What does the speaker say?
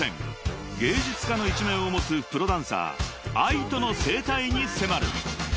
［芸術家の一面を持つプロダンサーＡＩＴＯの生態に迫る］